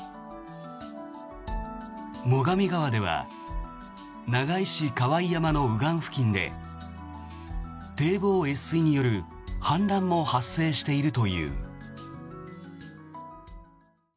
最上川では長井市・河井山の右岸付近で堤防越水による氾濫も発生しているという。